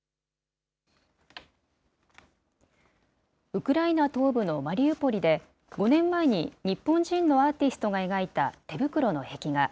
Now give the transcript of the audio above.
ウクライナ東部のマリウポリで、５年前に日本人のアーティストが描いた、てぶくろの壁画。